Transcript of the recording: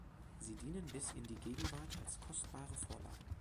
Sie dienen bis in die Gegenwart als kostbare Vorlagen.